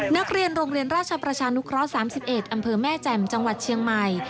นักเรียนโรงเรียนราชประชานุเคราะห์๓๑อำเภอแม่แจ่มจังหวัดเชียงใหม่